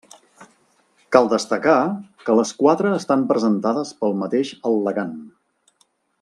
Cal destacar que les quatre estan presentades pel mateix al·legant.